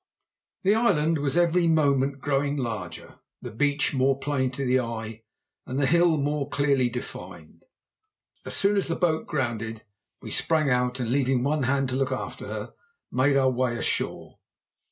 The island was every moment growing larger, the beach more plain to the eye, and the hill more clearly defined. As soon as the boat grounded we sprang out and, leaving one hand to look after her, made our way ashore.